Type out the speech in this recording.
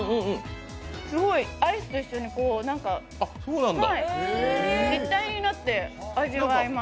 すごいアイスと一緒に一体になって味わえます。